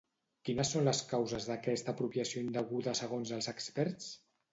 Quines són les causes d'aquesta apropiació indeguda segons els experts?